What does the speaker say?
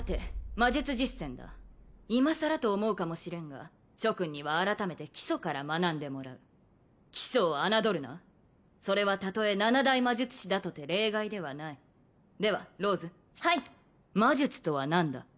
魔術実践だ今さらと思うかもしれんが諸君には改めて基礎から学んでもらう基礎を侮るなそれはたとえ七大魔術師だとて例外ではないではローズはい魔術とは何だ